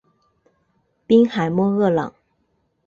滨海莫厄朗。